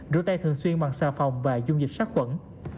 rửa tay thường xuyên bằng xà phòng và dung dịch sát khuẩn